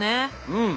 うん。